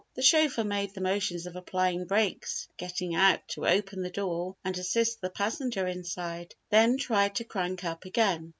The chauffeur made the motions of applying brakes, getting out to open the door and assist the passenger inside, then tried to crank up again.